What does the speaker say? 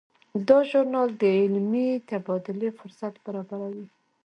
دا ژورنال د علمي تبادلې فرصت برابروي.